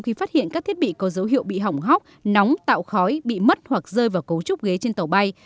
khi phát hiện các thiết bị có dấu hiệu bị hỏng hóc nóng tạo khói bị mất hoặc rơi vào cấu trúc ghế trên tàu bay